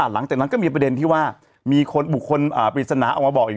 หลังจากนั้นก็มีประเด็นที่ว่ามีบุคคลปริศนาออกมาบอกอีก